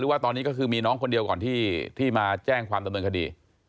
ว่าตอนนี้ก็คือมีน้องคนเดียวก่อนที่มาแจ้งความดำเนินคดี